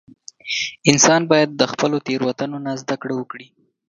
• انسان باید د خپلو تېروتنو نه زده کړه وکړي.